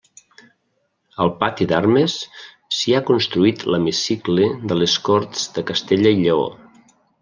Al pati d'armes s'hi ha construït l'hemicicle de les Corts de Castella i Lleó.